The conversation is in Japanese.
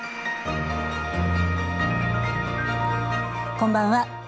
こんばんは。